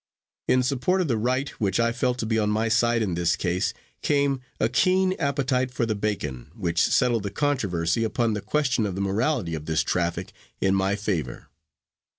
In support of the right, which I felt to be on my side in this case, came a keen appetite for the bacon, which settled the controversy, upon the question of the morality of this traffic, in my favor.